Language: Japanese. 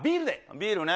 ビールね。